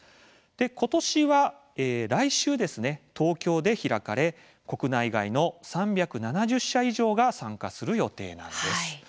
今年は来週、東京で開かれ国内外の３７０社以上が参加する予定です。